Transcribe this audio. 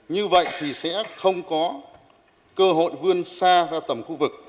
như vậy thì sẽ không có cơ hội vươn xa ra tầm khu vực